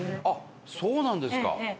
伊達：そうなんですか。